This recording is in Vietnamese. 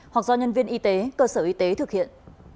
hoặc do nhân viên y tế cơ sở y tế thực hiện